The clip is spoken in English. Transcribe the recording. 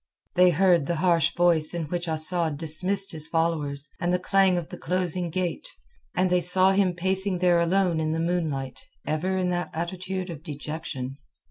They heard the harsh voice in which Asad dismissed his followers, and the clang of the closing gate; and they saw him pacing there alone in the moonlight, ever in that attitude of dejection.